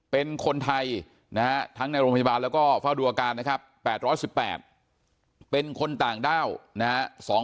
เป็นคนไทยนะฮะทั้งในโรงพยาบาลแล้วก็เฝ้าดูอาการนะครับ๘๑๘เป็นคนต่างด้าวนะฮะ